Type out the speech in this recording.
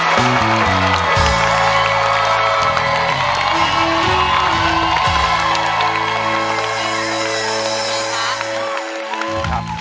ดีค่ะ